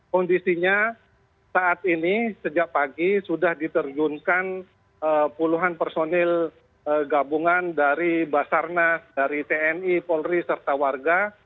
kondisinya saat ini sejak pagi sudah diterjunkan puluhan personil gabungan dari basarnas dari tni polri serta warga